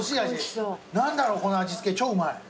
何だろうこの味付け超うまい。